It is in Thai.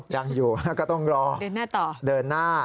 ยังอยู่ก็ต้องรอเดินหน้า